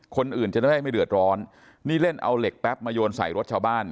คนอื่นจะได้ไม่เดือดร้อนนี่เล่นเอาเหล็กแป๊บมาโยนใส่รถชาวบ้าน